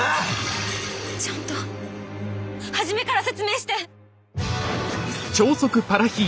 ちゃんと初めから説明して！